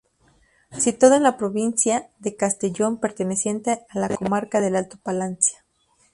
Situado en la provincia de Castellón, perteneciente a la comarca del Alto Palancia.